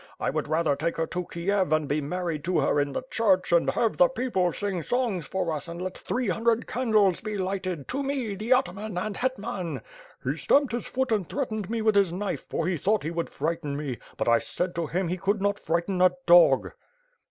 I would rather take her to Kiev and be married to her in the church and have the people sing songs for us and let three hundred g04 ^^^^^^^^^^^ SWO/^D. candles be lighted, to me, the ataman and hetman!' He stamped his foot and threatened me with his knife for he thought he would frighten me; but I said to him he could not frighten a dog."